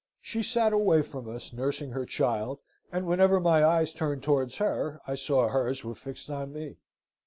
She sate away from us, nursing her child, and whenever my eyes turned towards her I saw hers were fixed on me.